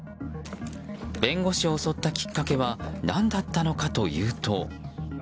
弁護士を襲ったきっかけは何だったのかというと。